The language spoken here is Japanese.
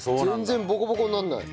全然ボコボコにならない。